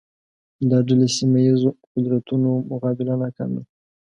دا ډلې سیمه ییزو قدرتونو مقابله ناکامې